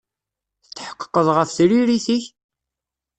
Tetḥeqqeḍ ɣef tririt-ik?